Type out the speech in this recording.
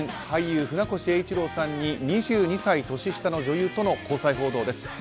俳優・船越英一郎さんに２２歳年下の女優との交際報道です。